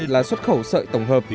là xuất khẩu sợi tổng hợp